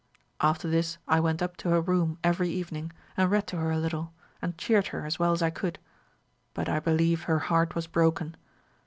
"After this I went up to her room every evening, and read to her a little, and cheered her as well as I could; but I believe her heart was broken.